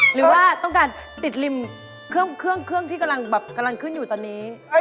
หรือว่าต้องการติดริมเครื่องที่กำลังขึ้นอยู่ตอนนี้